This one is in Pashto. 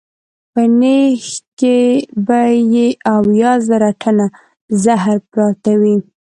په نېښ کې به یې اویا زره ټنه زهر پراته وي.